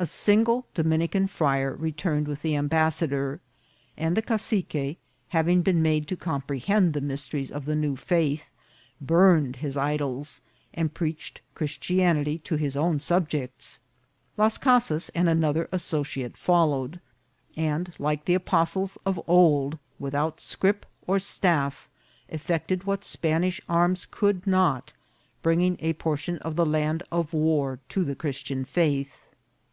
A single Dominican friar returned with the ambassador, and the cacique, having been made to comprehend the mysteries of the new faith, burned his idols and preached Christianity to his own subjects. Las Casas and another associate followed, and, like the apostles of old, without scrip or staff, effected what Spanish arms could not, bringing a portion of the Land of War to the Christian faith.